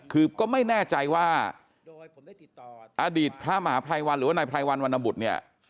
คือก็ไม่แน่ใจว่าอดีตพระมหาภัยวันหรือว่านายไพรวันวรรณบุตรเนี่ย